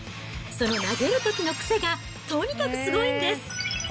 その投げるときの癖が、とにかくすごいんです。